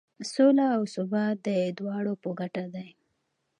سوله او ثبات د دواړو په ګټه دی.